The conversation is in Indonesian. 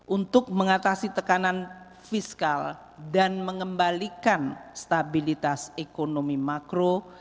untuk mengatasi tekanan fiskal dan mengembalikan stabilitas ekonomi makro